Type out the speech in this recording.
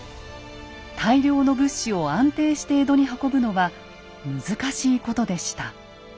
大量の物資を安定して江戸に運ぶのは難しいことでした。